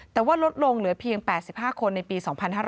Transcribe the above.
แต่ว่าลดลงเหลือเพียง๘๕คนในปี๒๕๕๙